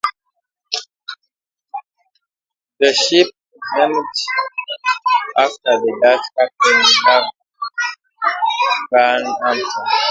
The ship is named after the Dutch Captain Jan van Amstel.